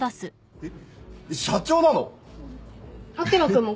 えっ？